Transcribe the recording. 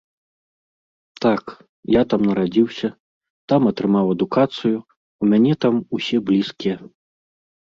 Так, я там нарадзіўся, там атрымаў адукацыю, у мяне там усе блізкія.